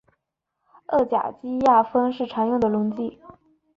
二甲基亚砜是常用的溶剂。